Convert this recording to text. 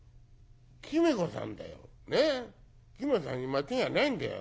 君子さんに間違いないんだよ。